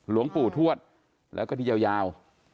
หลวงปู่ทวดแล้วก็ที่ยาว